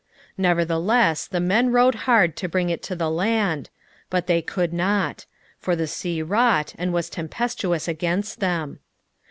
1:13 Nevertheless the men rowed hard to bring it to the land; but they could not: for the sea wrought, and was tempestuous against them.